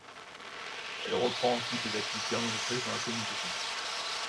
Elle reprend ensuite ses activités en entreprise, dans la communication.